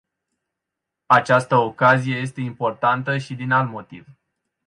Această ocazie este importantă și din alt motiv.